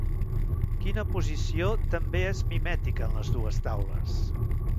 Quina posició també és mimètica en les dues taules?